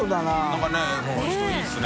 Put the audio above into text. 覆鵑この人いいですね。